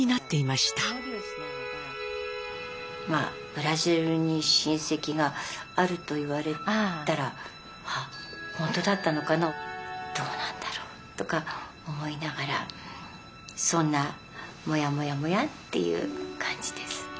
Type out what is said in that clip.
ブラジルに親戚があると言われたら本当だったのかなどうなんだろうとか思いながらそんなもやもやもやっていう感じです。